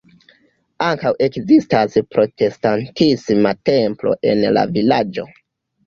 Ankaŭ ekzistas protestantisma templo en la vilaĝo.